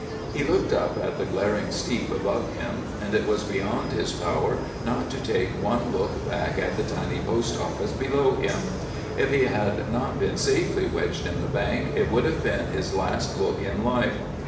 He looked up at the glaring steep above him, and it was beyond his power not to take one look back at the tiny post office below him. If he had not been safely wedged in the bank, it would have been his last look in life.